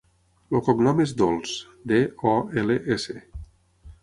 El cognom és Dols: de, o, ela, essa.